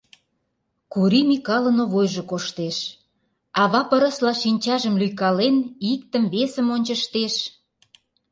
Кури Микалын Овойжо коштеш, ава пырысла шинчажым лӱйкален, иктым-весым ончыштеш.